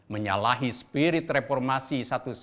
menyalahi spirit reformasi seribu sembilan ratus sembilan puluh delapan